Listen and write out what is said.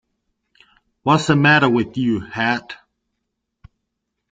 'Wassa madda wit you, hat?